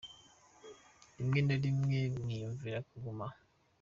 Rimwe na rimwe niyumvira kuguma aha.